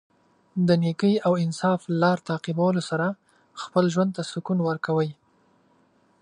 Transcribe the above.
د نېکۍ او انصاف لار تعقیبولو سره خپله ژوند ته سکون ورکوي.